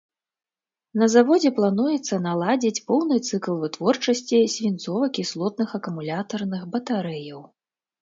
На заводзе плануецца наладзіць поўны цыкл вытворчасці свінцова-кіслотных акумулятарных батарэяў.